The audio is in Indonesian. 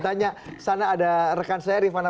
tanya sana ada rekan saya rifana